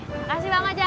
terima kasih bang ojak